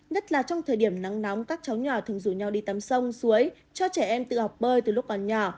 nhất là trong thời điểm nắng nóng các cháu nhỏ thường rủ nhau đi tắm sông suối cho trẻ em tự học bơi từ lúc còn nhỏ